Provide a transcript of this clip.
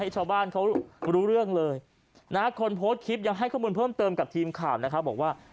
ชาวบ้านบอกว่า